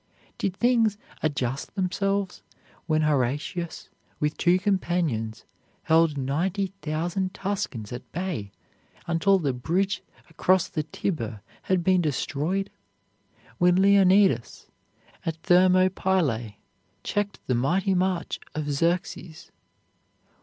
Did things adjust themselves when Horatius with two companions held ninety thousand Tuscans at bay until the bridge across the Tiber had been destroyed? when Leonidas at Thermopylae checked the mighty march of Xerxes?